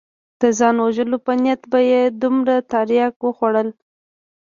د ځان وژلو په نيت به يې دومره ترياک وخوړل.